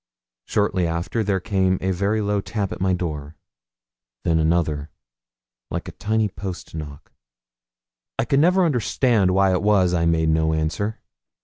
Shortly after there came a very low tap at my door; then another, like a tiny post knock. I could never understand why it was I made no answer.